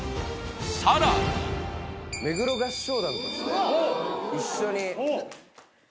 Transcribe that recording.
さらに目黒合唱団としていいですか？